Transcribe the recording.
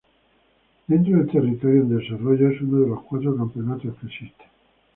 Dentro del territorio en desarrollo es uno de los cuatro campeonatos que existen.